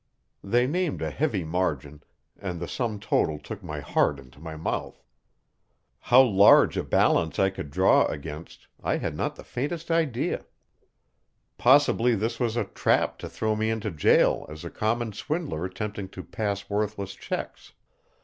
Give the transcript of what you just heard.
They named a heavy margin, and the sum total took my heart into my mouth. How large a balance I could draw against I had not the faintest idea. Possibly this was a trap to throw me into jail as a common swindler attempting to pass worthless checks.